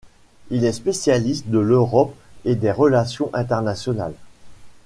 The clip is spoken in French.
Il est spécialiste de l'Europe et des relations internationales.